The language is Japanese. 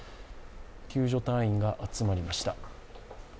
救助隊員が集まりました。